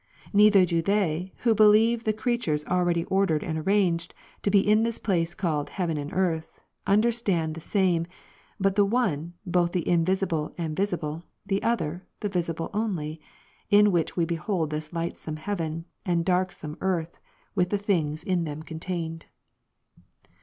Neither do they, who believe the creatures already ordered and arranged, to be in this place called heaven and earth, understand the same ; but the one, both the invisible and visible, the other, the visible only, in which we behold this lightsome heaven, and dai'ksome earth, with the things in them contained.